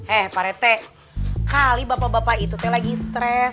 eh parete kali bapak bapak itu lagi stres